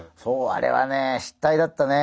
あれはね失態だったね。